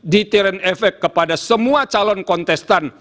deterent efek kepada semua calon kontestan